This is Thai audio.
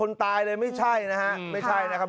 คนตายเลยไม่ใช่นะครับ